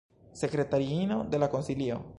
Sekretariino de la konsilio.